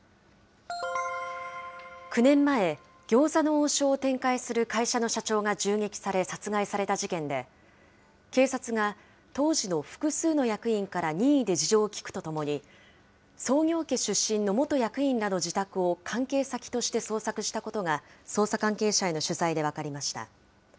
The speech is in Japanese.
９年前、餃子の王将を展開する会社の社長が銃撃され、殺害された事件で、警察が、当時の複数の役員から任意で事情を聴くとともに、創業家出身の元役員らの自宅を、関係先として捜索したことが、捜査関係者への取材で分かりました。